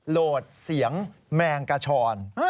โหลดเสียงแมงกระชอน